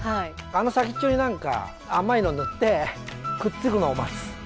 あの先っちょに何か甘いの塗ってくっつくのを待つ。